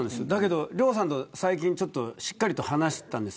亮さんと最近しっかり話したんです。